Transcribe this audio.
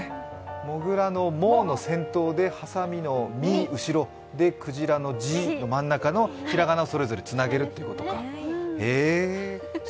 もぐらの「も」の先頭ではさみの「み」、後ろでくじりの「じ」の真ん中の平仮名それぞれつなげるってことだ。